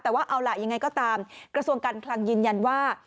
แต่ว่าเอาล่ะยังไงก็ตามกระทรวงการคลังยืนยันว่า